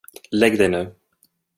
Lägg dig nu.